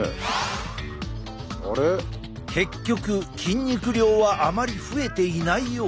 結局筋肉量はあまり増えていないようだ。